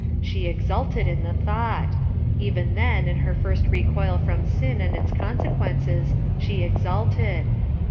She exulted in the thought; even then, in her first recoil from sin and its consequences, she exulted.